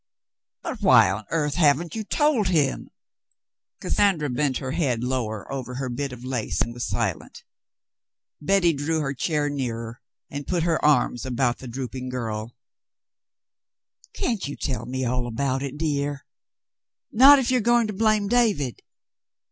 "But why on earth haven't you told him V* Cassandra bent her head lower over her bit of lace and was silent. Betty drew her chair nearer and put her arms about the drooping girl. Back to the Mountains 247 "Can't you tell me all about it, dear?'* Not if you are going to blame David."